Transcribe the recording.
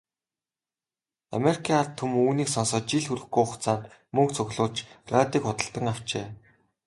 Америкийн ард түмэн үүнийг сонсоод жил хүрэхгүй хугацаанд мөнгө цуглуулж, радийг худалдан авчээ.